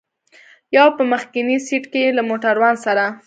یو په مخکني سېټ کې له موټروان سره.